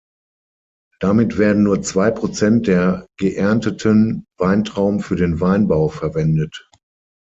Damit werden nur zwei Prozent der geernteten Weintrauben für den Weinbau verwendet.